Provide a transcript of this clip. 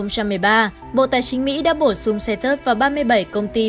năm hai nghìn một mươi ba bộ tài chính mỹ đã bổ sung xe tớp vào ba mươi bảy công ty